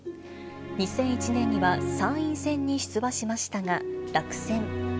２００１年には参院選に出馬しましたが落選。